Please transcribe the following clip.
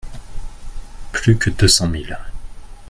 Plus que deux cents miles.